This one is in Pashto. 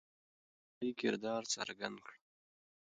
د ملالۍ کردار څرګند کړه.